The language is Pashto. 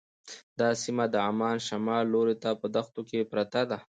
دا سیمه د عمان شمال لوري ته په دښتو کې پرته ده.